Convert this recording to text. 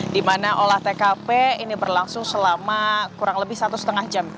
di mana olah tkp ini berlangsung selama kurang lebih satu setengah jam